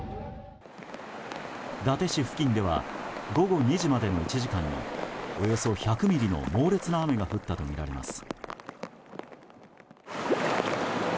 伊達市付近では午後２時までの１時間におよそ１００ミリの猛烈な雨が降ったとみられます。